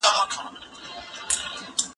زه به خبري کړي وي؟